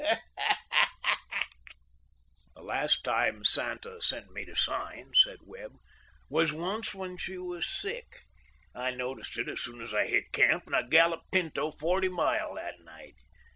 '" "The last time Santa sent me the sign," said Webb, "was once when she was sick. I noticed it as soon as I hit camp, and I galloped Pinto forty mile that night.